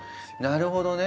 なるほどね。